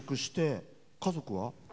家族は？